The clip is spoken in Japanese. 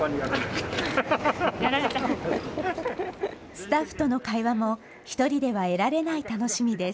スタッフとの会話も、一人では得られない楽しみです。